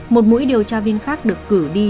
một mũi điều tra viên khác được cử đi